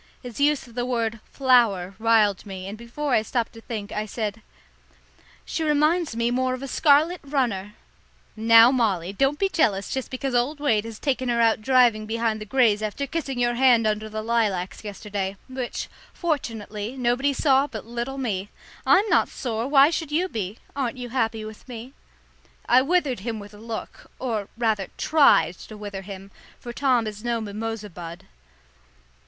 His use of the word "flower" riled me, and before I stopped to think, I said, "She reminds me more of a scarlet runner." "Now, Molly, don't be jealous just because old Wade has taken her out driving behind the greys after kissing your hand under the lilacs yesterday, which, fortunately, nobody saw but little me! I'm not sore, why should you be? Aren't you happy with me?" I withered him with a look, or rather tried to wither him, for Tom is no mimosa bud.